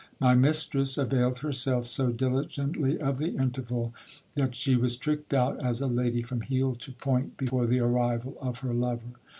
My mistress availed herself so diligent ly of the interval, that she was tricked out as a lady from heel to point before the arrival of her lover.